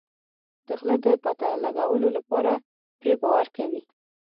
د غله د پته لګولو لپاره پرې باور کوي.